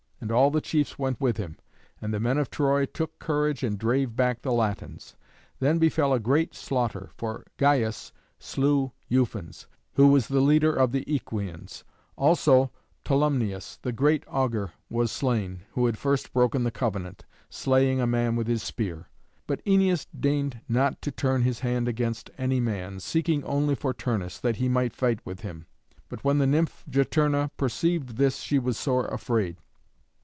And all the chiefs went with him, and the men of Troy took courage and drave back the Latins. Then befell a great slaughter, for Gyas slew Ufens, who was the leader of the Æquians; also Tolumnius, the great augur, was slain, who had first broken the covenant, slaying a man with his spear. But Æneas deigned not to turn his hand against any man, seeking only for Turnus, that he might fight with him. But when the nymph Juturna perceived this she was sore afraid.